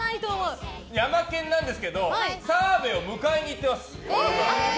ヤマケンなんですけど澤部を迎えに行ってます。